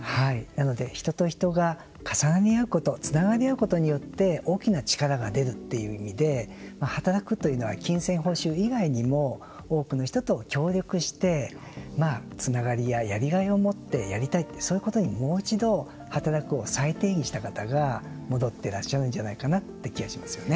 なので、人と人が重なり合うことつながり合うことによって大きな力が出るという意味で働くというのは金銭報酬以外にも多くの人と協力して、つながりややりがいを持ってやりたいってそういうことにもう一度働くを再定義した方が戻っていらっしゃるんじゃないかなって気がしますよね。